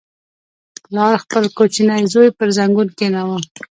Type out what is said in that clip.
• پلار خپل کوچنی زوی پر زنګون کښېناوه.